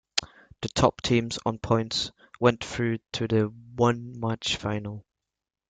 The top two teams on points went through to the one-match final.